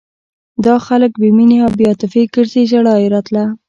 دا خلک بې مینې او بې عاطفې ګرځي ژړا یې راتله.